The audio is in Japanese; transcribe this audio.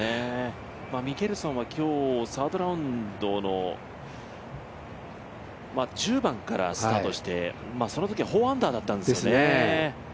ミケルソンは今日サードラウンドの１０番からスタートしてそのとき４アンダーだったんですよね。